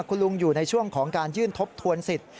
คุณลุงอยู่ในช่วงของการยื่นทบทวนสิทธิ